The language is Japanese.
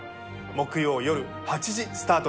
木曜よる８時スタートです。